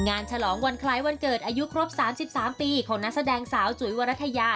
ฉลองวันคล้ายวันเกิดอายุครบ๓๓ปีของนักแสดงสาวจุ๋ยวรัฐยา